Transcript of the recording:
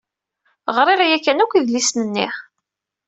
Ɣriɣ yakan akk idlisen-nni.